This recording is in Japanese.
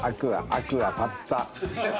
アクアパッツァ。